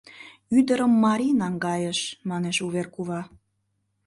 — Ӱдырым марий наҥгайыш, — манеш вувер кува.